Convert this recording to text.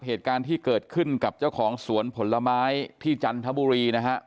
เหตุการณ์ที่เกิดขึ้นกับเจ้าของสวนผลไม้ที่จันทบุรีนะฮะ